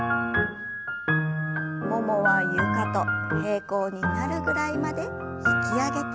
ももは床と平行になるぐらいまで引き上げて。